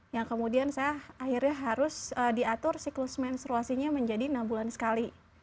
yang kemudian saya akhirnya harus diatur siklus menstruasinya menjadi enam bulan sekali